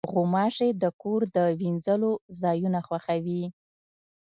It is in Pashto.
غوماشې د کور د وینځلو ځایونه خوښوي.